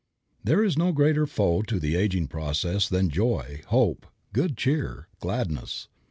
There is no greater foe to the aging processes than joy, hope, good cheer, gladness.